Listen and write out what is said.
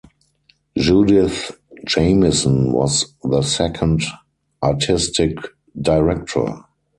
Judith Jamison was the second artistic director.